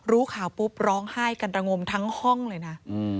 รู้ข่าวปุ๊บร้องไห้กันระงมทั้งห้องเลยนะ